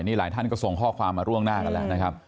นี่หลายท่านก็ส่งข้อความมาร่วงหน้ากันแล้วนะครับ